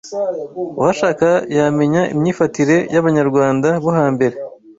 Uwashaka yamenya imyifatire y’Abanyarwanda bo hambere